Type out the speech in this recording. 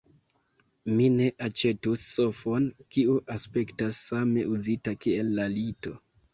Mi ne aĉetus sofon kiu aspektas same uzita kiel la lito.